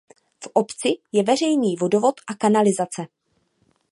V obci je veřejný vodovod a kanalizace.